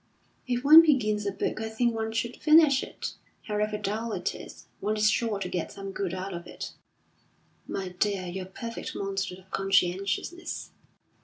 "If one begins a book I think one should finish it, however dull it is. One is sure to get some good out of it." "My dear, you're a perfect monster of conscientiousness."